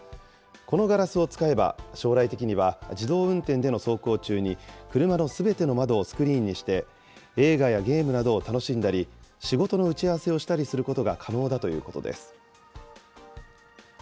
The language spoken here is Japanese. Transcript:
このガラスを使えば、将来的には、自動運転での走行中に、車のすべての窓をスクリーンにして、映画やゲームなどを楽しんだり、仕事の打ち合わせをしたりすることが可能だということです。